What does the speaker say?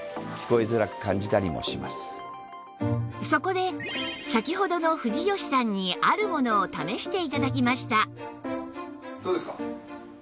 そこで先ほどの藤好さんにあるものを試して頂きました